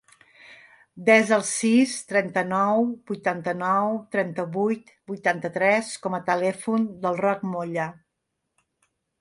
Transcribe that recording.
Desa el sis, trenta-nou, vuitanta-nou, trenta-vuit, vuitanta-tres com a telèfon del Roc Molla.